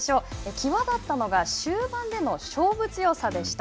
際立ったのが終盤での勝負強さでした。